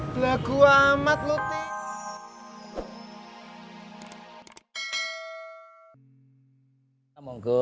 belagu amat lo tis